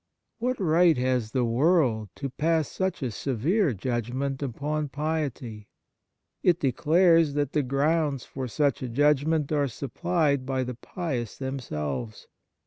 What right has the world to pass such a severe judgment upon piety ? It declares that the grounds for such a judgment are supplied by the pious themselves.